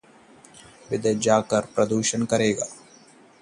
विदेश जाकर बनाया दुनिया का सबसे अच्छा एयर प्यूरीफायर, प्रदूषण से करेगा बचाव